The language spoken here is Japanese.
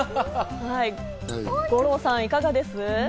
五郎さん、いかがです？